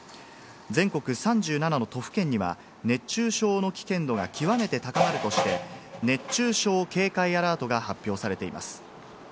全国３７の都府県には熱中症の危険度が極めて高まるとして、熱中症警戒アラートが発表されています。